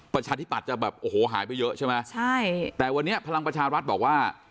ประชาธิปัตย์จะแบบโอ้โหหายไปเยอะใช่ไหมใช่แต่วันนี้พลังประชารัฐบอกว่า